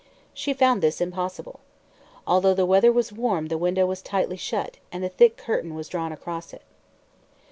She found this impossible. Although the weather was warm the window was tightly shut and a thick curtain was drawn across it.